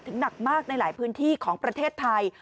หนักมากในหลายพื้นที่ของประเทศไทย